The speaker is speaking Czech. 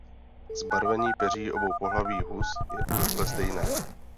Zbarvení peří obou pohlaví hus je obvykle stejné.